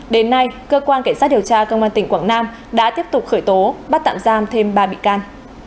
đến nay cơ quan cảnh sát điều tra công an tỉnh quảng nam đã tiếp tục khởi tố bắt tạm giam thêm ba bị can